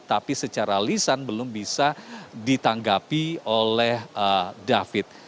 tapi secara lisan belum bisa ditanggapi oleh david